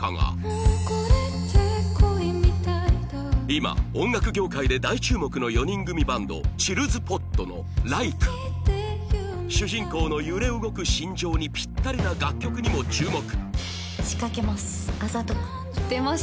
今音楽業界で大注目の４人組バンド ｃｈｉｌｌｄｓｐｏｔ の『Ｌｉｋｅ？』主人公の揺れ動く心情にぴったりな楽曲にも注目